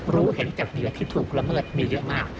รู้เห็นจากเหยื่อที่ถูกละเมิดมีเยอะมาก